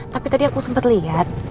tapi tadi aku sempet liat